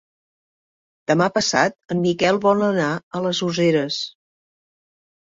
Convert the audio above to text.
Demà passat en Miquel vol anar a les Useres.